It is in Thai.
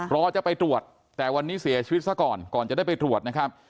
รอจะไปตรวจแต่วันนี้เสียชีวิตซะก่อนก่อนจะได้ไปตรวจนะครับ